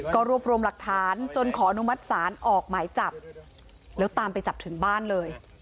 ก็รวบรวมหลักฐานจนขออนุมัติศาลออกหมายจับแล้วตามไปจับถึงบ้านเลย